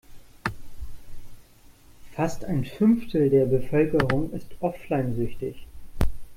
Fast ein Fünftel der Bevölkerung ist offline-süchtig.